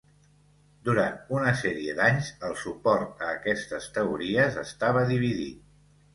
Durant una sèrie d'anys el suport a aquestes teories estava dividit.